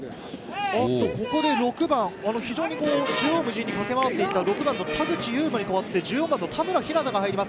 ここで６番、非常に縦横無尽に駆け回っていた田口裕真に代わって、１４番の田村日夏汰が入ります。